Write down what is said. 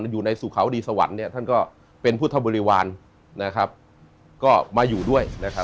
อยู่ในสุเขาดีสวรรค์ท่านก็เป็นพุทธบริวารนะครับก็มาอยู่ด้วยนะครับ